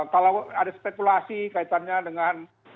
kalau ada spekulasi kaitannya dengan